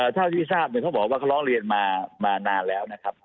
เท่าที่ทราบเขาบอกว่าเขาร้องเรียนมานานแล้วนะครับ